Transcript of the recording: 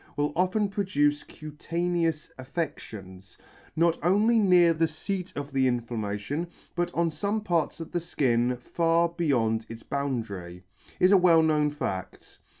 will often produce cutaneous affections, not only near the feat of the inflammation, but on fome parts of the {kin far beyond its boundary, is a well known faCt.